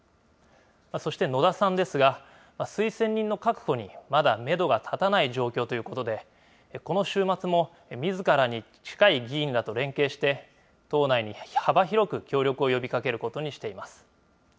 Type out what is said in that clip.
そして野田さんですが、推薦人の確保にまだメドが立たない状況ということで、この週末もみずからに近い議員らと連携して、党内に幅広く協力を呼びかけることにしています。